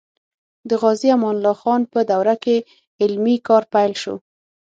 د غازي امان الله خان په دوره کې علمي کار پیل شو.